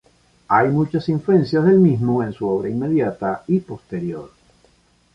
Hay muchas influencias del mismo en su obra inmediata y posterior.